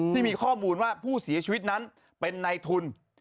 ที่มีข้อมูลว่าผู้เสียชีวิตนั้นเป็นในทุน